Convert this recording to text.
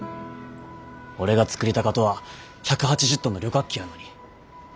俺が作りたかとは１８０トンの旅客機やのに。